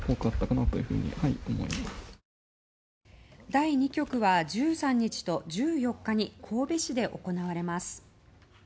第２局は１３日と１４日に神戸市で行われます。